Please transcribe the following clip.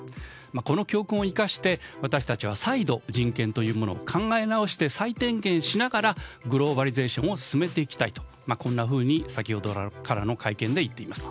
この教訓を生かして私たちは再度人権というものを考え直して再点検しながらグローバリゼーションを進めていきたいと、先ほどからの会見で言っています。